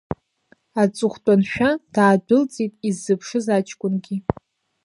Аҵыхәтәаншәа даадәылҵит иззыԥшыз аҷкәынгьы.